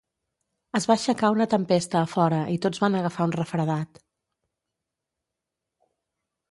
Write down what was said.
Es va aixecar una tempesta a fora i tots van agafar un refredat.